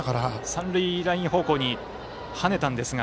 三塁ライン方向に跳ねたんですが。